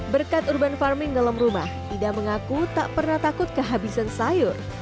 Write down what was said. berkat urban farming dalam rumah ida mengaku tak pernah takut kehabisan sayur